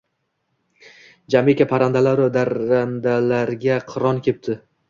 Jamiki parrandalaru darrandalarga qiron kepti.